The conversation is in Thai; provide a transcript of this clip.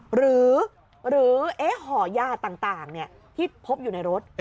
หรือห่อยาต่างที่พบอยู่ในรถ